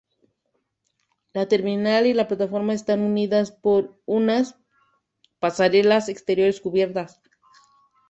La terminal y la plataforma están unidas por unas pasarelas exteriores cubiertas.